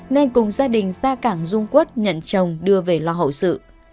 nên cùng gia đình ra cảng dung quốc nhận chồng đưa về lo hậu sự